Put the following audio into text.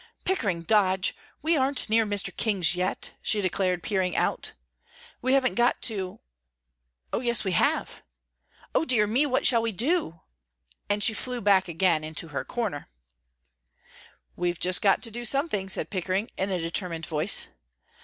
"Pickering Dodge, we aren't near Mr. King's yet," she declared, peering out; "we haven't got to oh, yes we have O dear me, what shall we do?" and she flew back again into her corner. "We've just got to do something," said Pickering, in a determined voice.